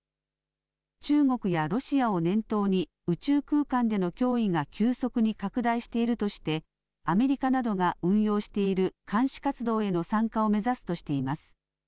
中国やロシアを念頭に、宇宙空間での脅威が急速に拡大しているとして、アメリカなどが運用している監視活動への参加を目指すとしています。